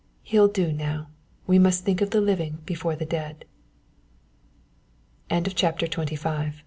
He'll do now. We must think of the living before the dead." CHAPTER XXVI THE FUGITIVE